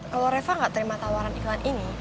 kalau reva nggak terima tawaran iklan ini